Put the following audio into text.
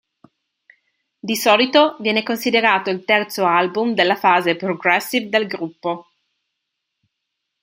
Di solito viene considerato il terzo album della fase progressive del gruppo.